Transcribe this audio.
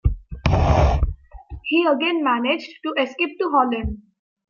He again managed to escape to Holland.